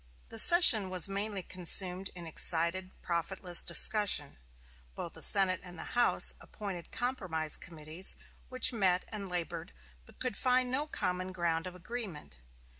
The session was mainly consumed in excited, profitless discussion. Both the Senate and House appointed compromise committees, which met and labored, but could find no common ground of agreement.